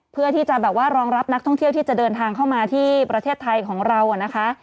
เพื่อที่จะแบบว่ารองรับนักท่องเที่ยวที่จะเดินทางเข้ามาที่ประเทศไทยของเรานะคะ